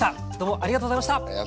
ありがとうございます。